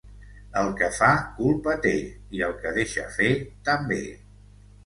El que fa culpa té, i el que deixa fer, també.